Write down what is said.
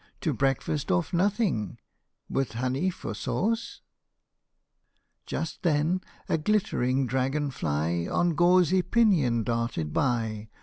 To breakfast off nothing with honey for sauce ?" Just then a glittering dragon fly On gauzy pinion darted by.